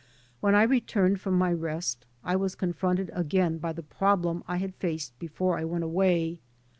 When I re turned from my rest I was confronted again by the problem I had faced before I went away.